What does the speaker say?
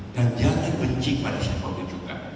dan jangan benci pada si ahok itu juga